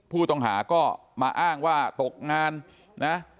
ผู้ต้องหาก็มาอ้างว่าตกงานนะ